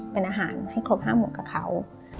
เป็นอาหารให้ครบ๕หมวกกับเขา